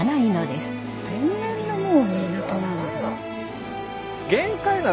天然のもう港なんだ。